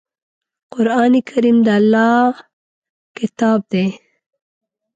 قرآن کریم د الله ﷺ کتاب دی.